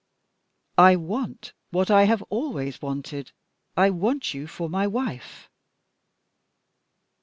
"I want what I have always wanted: I want you for my wife."